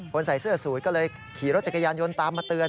ใส่เสื้อสูตรก็เลยขี่รถจักรยานยนต์ตามมาเตือน